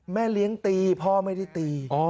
แม่เลี้ยงตีพ่อไม่ได้ตี